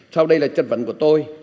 sau đây là chất vấn của tôi